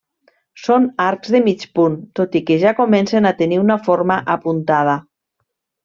Són arcs de mig punt, tot i que ja comencen a tenir una forma apuntada.